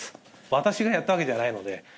私がやったわけではないので。